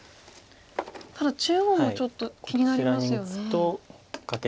ただ中央もちょっと気になりますよね。